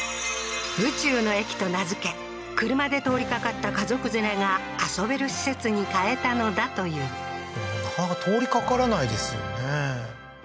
宇宙の駅と名付け車で通りかかった家族連れが遊べる施設に変えたのだというでもなかなか通りかからないですよね